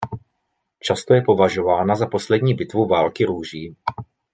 Často je považována za poslední bitvu války růží.